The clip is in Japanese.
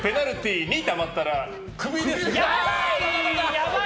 やばい！